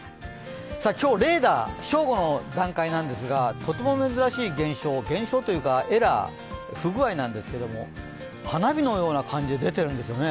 今日レーダー、正午の段階なんですけれどもとても珍しい現象現象というか、エラー不具合なんですけど、花火のような感じで出てるんですよね。